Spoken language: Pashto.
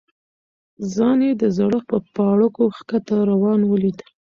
ځان یې د زړښت په پاړکو ښکته روان ولید.